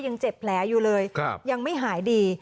ยังเจ็บแผลอยู่เลยยังไม่หายดี